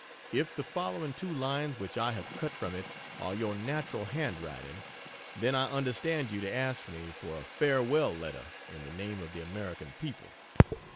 If the following two lines which I have cut from it are your natural handwriting, then I understand you to ask me "for a farewell letter in the name of the American people."